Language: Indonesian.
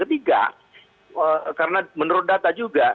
tapi juga fungsi psikologis itu harus dikatakan cangkang